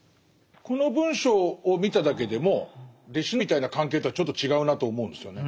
この文章を見ただけでも弟子みたいな関係とはちょっと違うなと思うんですよね。